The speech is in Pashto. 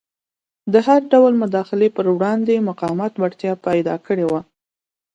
د هر ډول مداخلې پر وړاندې مقاومت وړتیا پیدا کړې وه.